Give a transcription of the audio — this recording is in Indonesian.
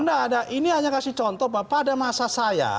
nggak ini hanya kasih contoh bahwa pada masa saya